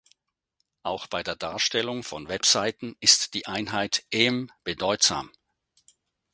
Auch bei der Darstellung von Webseiten ist die Einheit "em" bedeutsam.